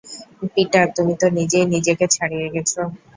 Peter, তুমি তো নিজেই নিজেকে ছাড়িয়ে গেছ।